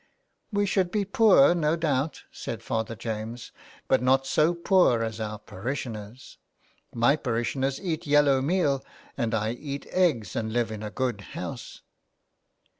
" We should be poor, no doubt," said Father James. '' But not so poor as our parishioners. My parishioners eat yellow meal, and I eat eggs and live in a good house."